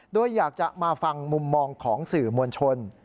โดยอยากจะมาฟังมุมมองของสื่อมวลชน